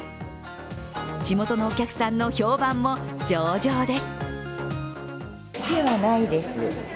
地元のお客さんの評判も上々です。